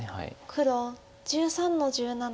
黒１３の十七。